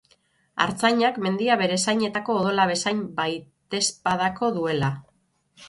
Artzainak mendia bere zainetako odola bezain baitezpadako duela.